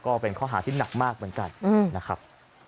ก็เป็นข้อหาที่หนักมากเหมือนกันนะครับ